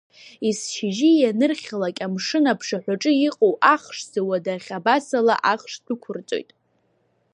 Есшьыжьы ианырхьалак, амшын аԥшаҳәаҿы иҟоу ахш зауад ахь абасала ахш дәықәырҵоит.